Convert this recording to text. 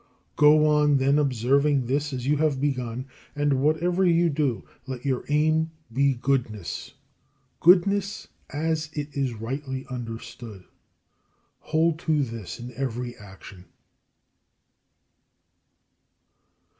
Go on then observing this as you have begun, and whatever you do, let your aim be goodness, goodness as it is rightly understood. Hold to this in every action.